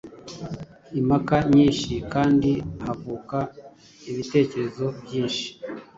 impaka nyinshi kandi havuka ibitekerezo byinshi